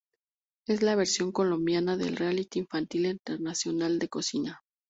Es la versión colombiana del reality infantil internacional de cocina.